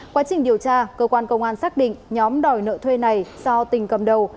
quá trình điều tra cơ quan công an xác định nhóm đòi nợ thuê này do tình cầm đầu